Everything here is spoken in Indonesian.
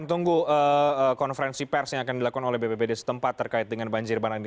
tunggu konferensi press yang akan dilakukan oleh bbbd setempat terkait dengan banjir banan ini